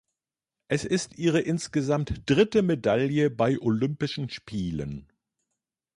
Es ist ihre insgesamt dritte Medaille bei Olympischen Spielen.